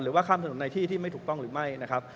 ข้ามถนนในที่ที่ไม่ถูกต้องหรือไม่นะครับ